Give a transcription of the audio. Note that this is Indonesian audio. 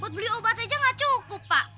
buat beli obat aja nggak cukup pak